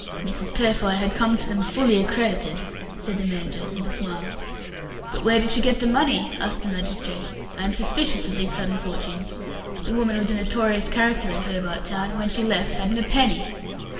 Mrs. Purfoy had come to them "fully accredited," said the manager with a smile. "But where did she get the money?" asked the magistrate. "I am suspicious of these sudden fortunes. The woman was a notorious character in Hobart Town, and when she left hadn't a penny."